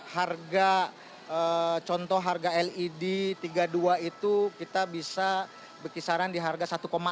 harga contoh harga led tiga puluh dua itu kita bisa berkisaran di harga satu lima